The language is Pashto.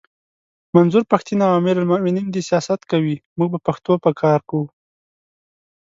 منظور پښتین او امیر المومنین دي سیاست کوي موږ به پښتو به کار کوو!